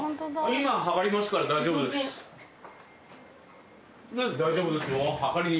今測りますから大丈夫です。